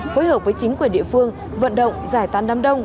phối hợp với chính quyền địa phương vận động giải tán đám đông